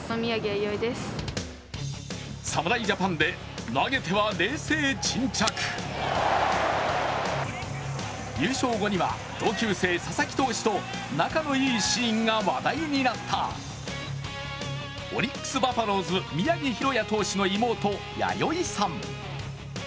侍ジャパンで投げては冷静沈着、優勝後には同級生・佐々木投手と仲のいいシーンが話題になったオリックス・バファローズ宮城大弥投手の妹、弥生さん。